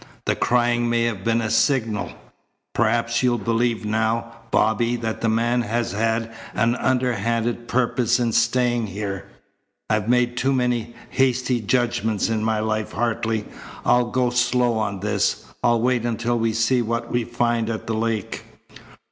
The crying may have been a signal. Perhaps you'll believe now, Bobby, that the man has had an underhanded purpose in staying here." "I've made too many hasty judgments in my life, Hartley. I'll go slow on this. I'll wait until we see what we find at the lake."